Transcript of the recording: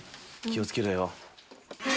気を付けろよ。